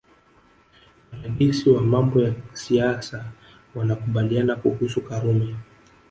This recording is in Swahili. Wadadisi wa mambo ya siasa wanakubaliana kuhusu Karume